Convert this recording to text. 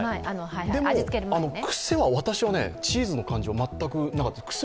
でもクセは私はチーズの感じは全くなかったです。